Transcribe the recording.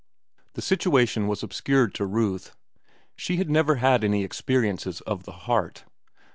The situation was obscured to Ruth. She had never had any experiences of the heart.